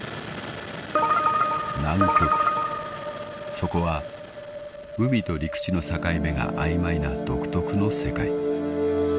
［そこは海と陸地の境目が曖昧な独特の世界］